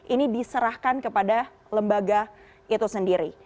ini diserahkan kepada lembaga itu sendiri